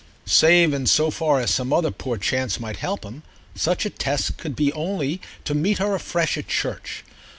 Save in so far as some other poor chance might help him, such a test could be only to meet her afresh at church.